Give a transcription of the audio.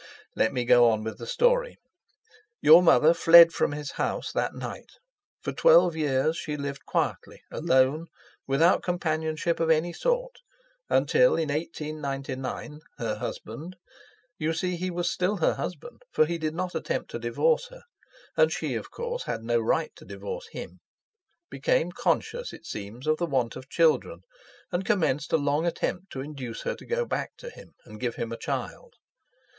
Let me go on with the story. Your mother fled from his house that night; for twelve years she lived quietly alone without companionship of any sort, until in 1899 her husband—you see, he was still her husband, for he did not attempt to divorce her, and she of course had no right to divorce him—became conscious, it seems, of the want of children, and commenced a long attempt to induce her to go back to him and give him a child.